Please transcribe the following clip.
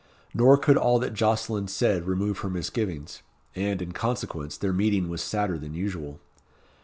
Nor could all that Jocelyn said remove her misgivings; and, in consequence, their meeting was sadder than usual.